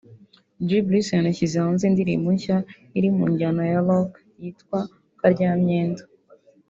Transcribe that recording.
G-Bruce yanashyize hanze indirimbo nshya iri mu njyana ya Rock yitwa “Karyamyenda”